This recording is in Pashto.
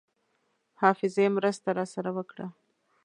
حافظې مرسته راسره وکړه.